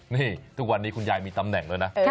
นี่ทุกวันนี้คุณยายมีตำแหน่งด้วยนะ